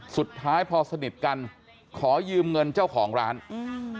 สุดท้ายพอสนิทกันขอยืมเงินเจ้าของร้านอืม